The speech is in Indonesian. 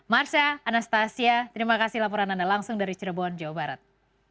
marsha anastasia terima kasih laporan anda langsung dari cirebon jawa barat